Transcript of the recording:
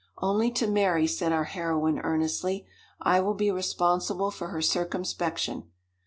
"Only to Mary," said our heroine, earnestly. "I will be responsible for her circumspection."